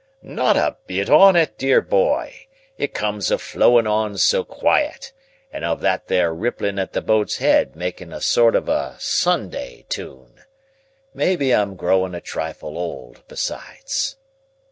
"Not a bit on it, dear boy! It comes of flowing on so quiet, and of that there rippling at the boat's head making a sort of a Sunday tune. Maybe I'm a growing a trifle old besides."